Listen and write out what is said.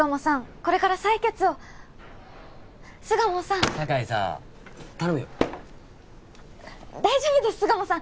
これから採血を巣鴨さん酒井さん頼むよ大丈夫です巣鴨さん